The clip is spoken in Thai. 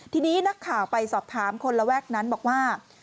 ทีนี้นักข่าวไปสอบถามคนระแวกนั้นบอกว่า